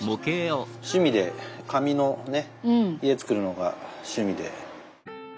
趣味で紙の家作るのが趣味で。